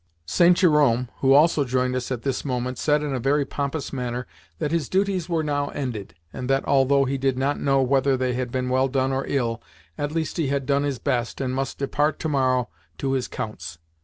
St. Jerome, who also joined us at this moment, said in a very pompous manner that his duties were now ended, and that, although he did not know whether they had been well done or ill, at least he had done his best, and must depart to morrow to his Count's.